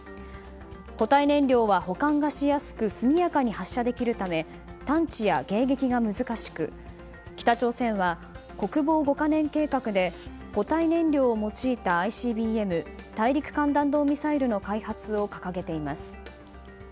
固体燃料は保管がしやすく速やかに発射できるため探知や迎撃が難しく北朝鮮は国防５か年計画で固体燃料を用いたＩＣＢＭ・大陸間弾道ミサイルの開発を掲げています。